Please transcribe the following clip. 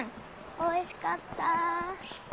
おいしかった。